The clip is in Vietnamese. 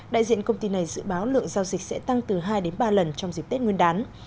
đại diện công ty này dự báo lượng giao dịch sẽ tăng từ hai đến ba lần trong dịp tết nguyên đán